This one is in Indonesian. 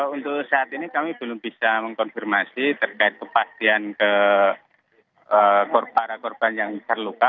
untuk saat ini kami belum bisa mengkonfirmasi terkait kepastian para korban yang terluka